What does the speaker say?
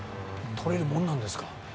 とれるもんなんですか？